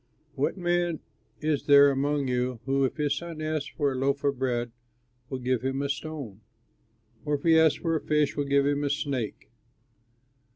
"What man is there among you, who if his son asks him for a loaf of bread, will give him a stone? Or if he asks for a fish, will give him a snake?